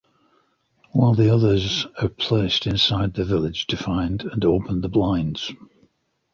While the others are placed inside the village to find and open the blinds.